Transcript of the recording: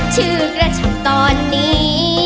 ชื่อกระช่ำตอนนี้